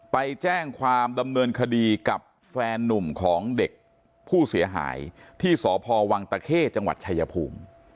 ไปแจ้งความดำเนินคดีกับแฟนนุ่มของเด็กผู้เสียหายที่สพวังตะเข้จังหวัดชายภูมิ